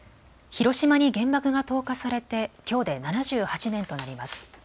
広島に原爆が投下されてきょうで７８年となります。